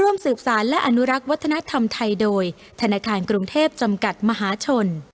ร่วมสืบสารและอนุรักษ์วัฒนธรรมไทยโดยธนาคารกรุงเทพจำกัดมหาชน